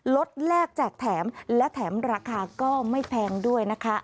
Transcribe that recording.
ลดแลกแจกแถมและแถมราคาก็ไม่แพงด้วยนะคะ